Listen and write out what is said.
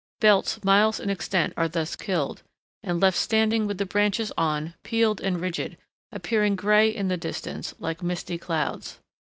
Belts miles in extent are thus killed and left standing with the branches on, peeled and rigid, appearing gray in the distance, like misty clouds.